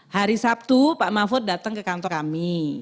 hari sabtu pak mahfud datang ke kantor kami